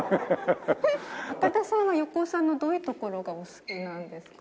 高田さんは横尾さんのどういうところがお好きなんですか？